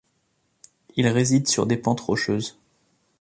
Il réside sur des pentes rocheuses.